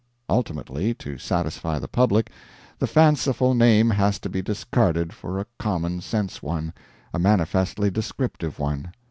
Ultimately, to satisfy the public, the fanciful name has to be discarded for a common sense one, a manifestly descriptive one.